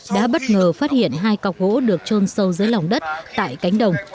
đã bất ngờ phát hiện hai cọc gỗ được trôn sâu dưới lòng đất tại cánh đồng